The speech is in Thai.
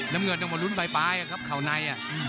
น้ำเงิดลงมาลุ้นไปครับขาวใน